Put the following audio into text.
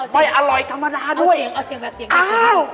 แต่อร่อยธรรมดาด้วยเอาสียังแบบสียังค่ะหรือ